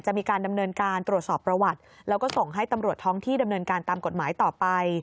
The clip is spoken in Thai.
จะมีการดำเนินการตรวจสอบประวัติแล้วก็ส่งให้ตำรวจท้องที่ดำเนินการตามกฎหมายต่อไป